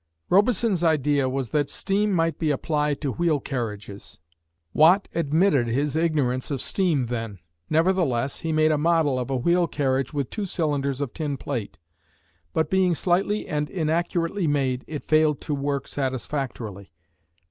Robison's idea was that steam might be applied to wheel carriages. Watt admitted his ignorance of steam then. Nevertheless, he made a model of a wheel carriage with two cylinders of tin plate, but being slightly and inaccurately made, it failed to work satisfactorily.